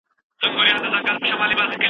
آیا ښه خلک یوازې په کلو کي پیدا کیږي؟